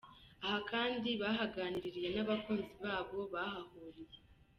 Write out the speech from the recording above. Aha kandi bahaganiririye n'abakunzi babo bahahuriye.